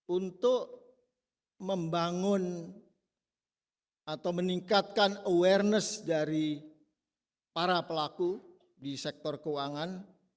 untuk membangun atau meningkatkan awareness dari para pelaku di sektor keuangan